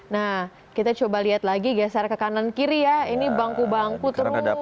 nah kita coba lihat lagi geser ke kanan kiri ya ini bangku bangku terus